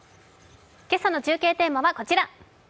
今朝の中継テーマはこちら。